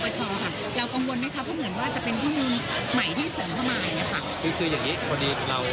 คงจะวาดกันไปในเนื้อหายก็คงจะดำสนุกก็ทำอย่างเต็มที่ฝากเรา